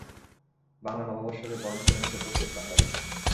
বাংলা নববর্ষকে বরণ করে নিতে প্রস্তুত বাঙালি।